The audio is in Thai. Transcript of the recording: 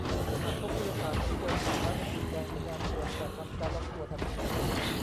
"หากพบผู้โดยสารที่เดินผ่านแล้วมีจุดแดง สัญญาณเตือน จะทำการล็อคตัวทันที"